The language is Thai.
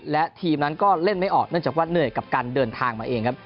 และทีมนั้นก็เล่นไม่ออกเนื่องจากว่าเหนื่อยกับการเดินทางมาเองครับ